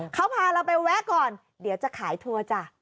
เขาพาเราไปแวะก่อนเดี๋ยวจะขายทัวร์จ้ะ